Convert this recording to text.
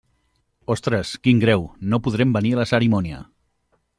Ostres, quin greu, no podrem venir a la cerimònia.